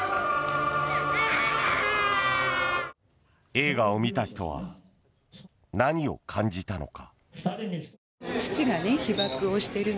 映画を見た人は何を感じたのか。